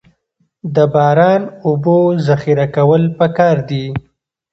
د باران اوبو ذخیره کول پکار دي